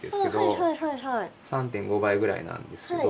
３．５倍ぐらいなんですけど。